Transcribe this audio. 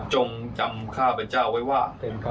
จงจำข้าพเจ้าไว้ว่า